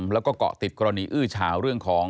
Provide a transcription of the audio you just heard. แล้วก็เกาะติดกรณีอื้อเฉาเรื่องของ